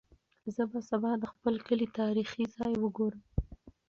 زه به سبا د خپل کلي تاریخي ځای وګورم.